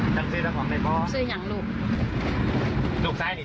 คือสิ่งที่เราติดตามคือสิ่งที่เราติดตาม